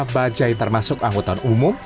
bajaj termasuk anggota umum